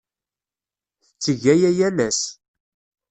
Tetteg aya yal ass.